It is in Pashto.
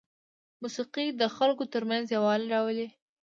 موسیقي د خلکو ترمنځ یووالی راولي.